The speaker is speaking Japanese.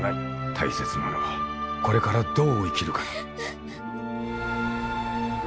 大切なのはこれからどう生きるかだ。